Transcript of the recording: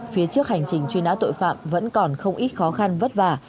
phía trước hành trình truy nã tội phạm vẫn còn không ít khó khăn vất vả